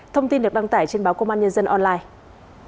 thông tin được đăng tải trên báo công an nhân dân online